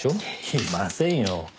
いませんよ。